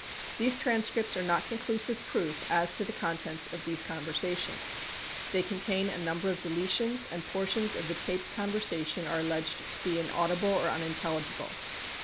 These, transcripts are not conclusive proof as to the contents of these conversations. They contain a number of deletions and portions of the taped conversation are alleged to be inaudible or unintelligible.